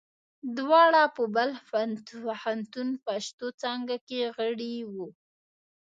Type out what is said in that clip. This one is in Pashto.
دواړه په بلخ پوهنتون پښتو څانګه کې غړي وو.